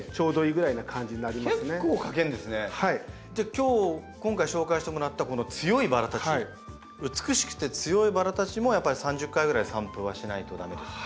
今日今回紹介してもらったこの強いバラたち美しくて強いバラたちもやっぱり３０回ぐらい散布はしないと駄目ですか？